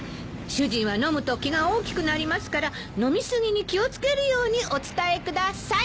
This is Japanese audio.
主人は飲むと気が大きくなりますから飲み過ぎに気を付けるようにお伝えください。